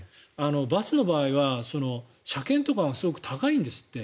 バスの場合は、車検とかがすごく高いんですって。